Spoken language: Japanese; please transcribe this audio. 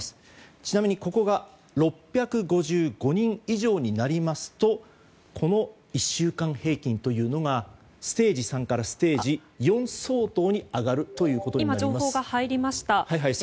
ちなみにこのあと６５５人以上になりますとこの１週間平均というのがステージ３からステージ４相当に上がるということです。